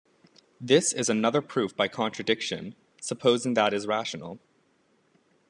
This is another proof by contradiction, supposing that is rational.